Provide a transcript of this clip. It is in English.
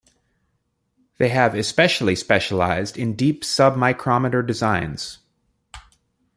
They have especially specialized in deep sub-micrometre designs.